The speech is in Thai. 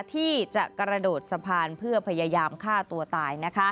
ที่จะกระโดดสะพานเพื่อพยายามฆ่าตัวตาย